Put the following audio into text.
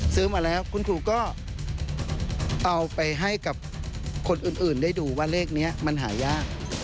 ซื้อมาแล้วคุณครูก็เอาไปให้กับคนอื่นได้ดูว่าเลขนี้มันหายาก